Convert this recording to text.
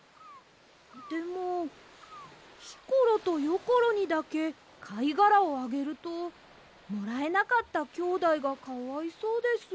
でもひころとよころにだけかいがらをあげるともらえなかったきょうだいがかわいそうです。